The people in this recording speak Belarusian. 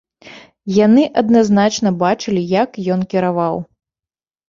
Яны адназначна бачылі, як ён кіраваў.